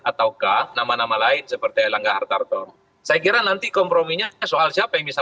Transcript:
ataukah nama nama lain seperti elangga hartarto saya kira nanti komprominya soal siapa yang bisa